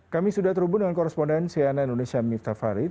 kami sudah terhubung dengan korespondensi ana indonesia mifta farid